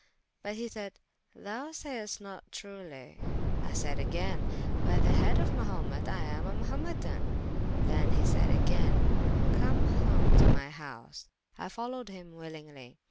But he sayde, Thou sayest not truely. I sayde agayne, by the head of Mahumet I am a Mahumetan. Then he sayde agayne, Come home to my house, I folowed hym willingly.